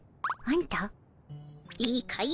いいかい？